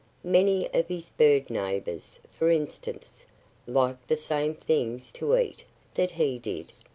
Many of his bird neighbors, for instance, liked the same things to eat that he did.